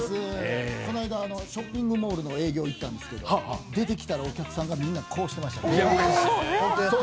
この間、ショッピングモールの営業に行ったんですけど出てきたらお客さんがみんなこうしてました。